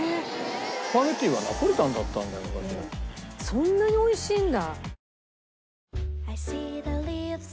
そんなにおいしいんだ。